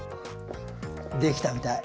できたみたい。